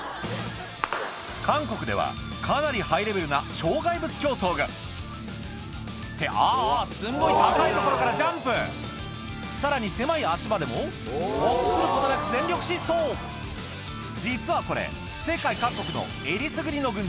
韓国ではかなりハイレベルな障害物競走がってあぁあぁすんごい高い所からジャンプさらに狭い足場でも臆することなく全力疾走実はこれ世界各国のえりすぐりの軍人